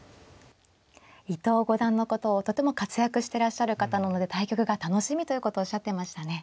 伊藤五段のことをとても活躍してらっしゃる方なので対局が楽しみということをおっしゃってましたね。